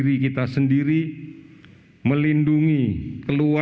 kami yang mempermainkan bahwa